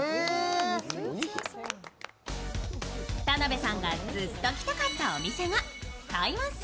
田辺さんがずっと来たかったお店が台湾